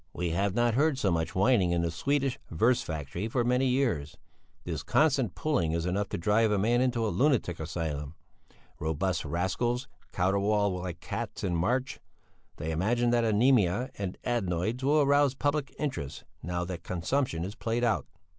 "'We have not heard so much whining in the Swedish verse factory for many years; this constant puling is enough to drive a man into a lunatic asylum. Robust rascals caterwaul like cats in March; they imagine that anæmia and adenoids will arouse public interest now that consumption is played out.